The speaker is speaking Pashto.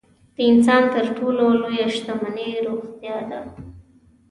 د انسان تر ټولو لویه شتمني روغتیا ده.